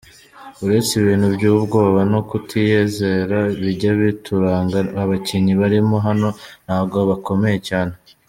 Uretse ibintu by’ubwoba no kutiyizera bijya bituranga, abakinnyi barimo hano ntabwo bakomeye cyane.